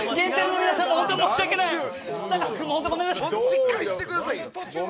なんちゅうしっかりしてくださいよ。